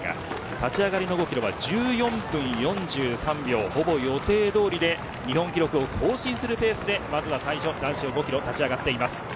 立ち上がりの５キロは１４分４３秒ほぼ予定どおりで日本記録を更新するペースで男子の５キロは立ち上がっています。